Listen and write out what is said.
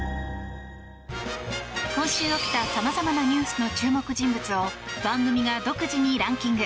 今週起きた様々なニュースの注目人物を番組が独自にランキング。